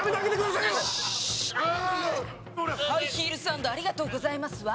ハイヒールサンドありがとうございますわ。